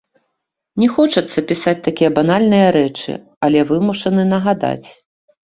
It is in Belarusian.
Не хочацца пісаць такія банальныя рэчы, але вымушаны нагадаць.